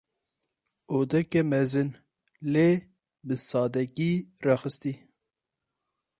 Odeke mezin; lê bi sadegî raxistî.